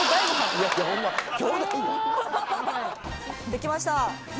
できました。